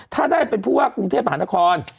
ถ้าได้เป็นผู้ว่ากรุงเทพหานคร